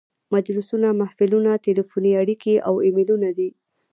مجلسونه، محفلونه، تلیفوني اړیکې او ایمیلونه دي.